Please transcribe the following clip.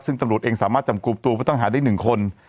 ซึ่งตำรวจเองสามารถจับกลุ่มตัวผู้ต้องหาได้๑คน